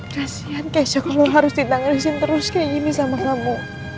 kasian keisha kalau harus ditanganin terus kayak gini sama kamu